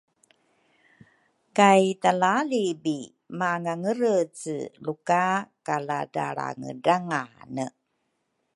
Kay talaalibi mangangerece luka kaladralrangedrangane